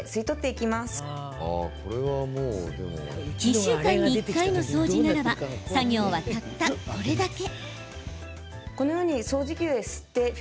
２週間に１回の掃除ならば作業は、たったこれだけ。